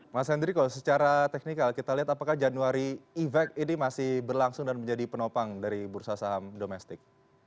mas hendriko secara teknikal kita lihat apakah januari event ini masih berlangsung dan menjadi penopang dari bursa saham domestik